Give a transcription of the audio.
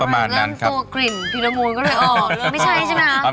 ประมาณนั้นครับตัวกลิ่นฟิลโอโมนก็เลยออกไม่ใช่ใช่มั้ย